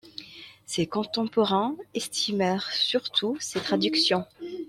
Ses contemporains estimèrent surtout ses traductions.